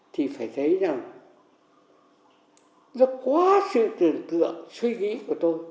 thì phải thấy rằng nó quá sự tưởng tượng suy nghĩ của tôi